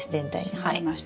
湿りました。